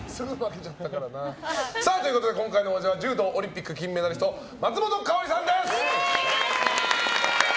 今回は柔道オリンピック金メダリストの松本薫さんです！